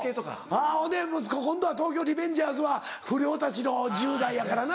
あぁほんで今度は『東京リベンジャーズ』は不良たちの１０代やからな。